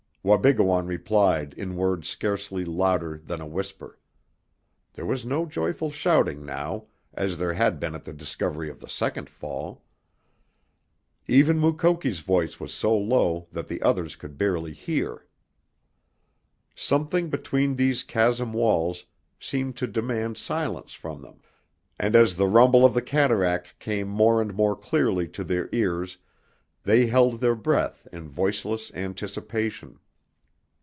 Wabigoon replied in words scarcely louder than a whisper. There was no joyful shouting now, as there had been at the discovery of the second fall. Even Mukoki's voice was so low that the others could barely hear. Something between these chasm walls seemed to demand silence from them, and as the rumble of the cataract came more and more clearly to their ears they held their breath in voiceless anticipation.